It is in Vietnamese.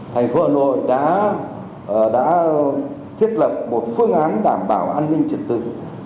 thành phố hà nội đã thiết lập một phương án đảm bảo an ninh trực tực